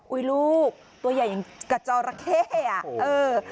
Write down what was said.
อุ๊ยลูกตัวใหญ่อย่างกระจ่อราเข้